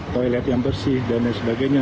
toilet yang bersih dan lain sebagainya